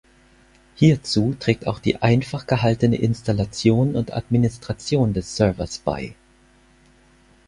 Hierzu trägt auch die einfach gehaltene Installation und Administration des Servers bei.